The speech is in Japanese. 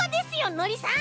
のりさん！